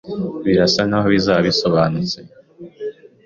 Birasa nkaho bizaba bisobanutse.